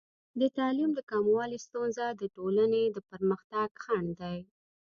د تعلیم د کموالي ستونزه د ټولنې د پرمختګ خنډ دی.